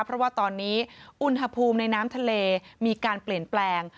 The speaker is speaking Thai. เพราะว่าตอนนี้อุณหภูมิในน้ำทะเลมีการเปลี่ยนแปลง